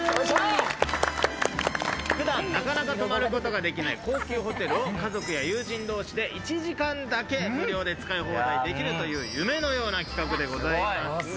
普段なかなか泊まることができない高級ホテルを家族や友人同士で１時間だけ無料で使い放題できるという夢のような企画でございます。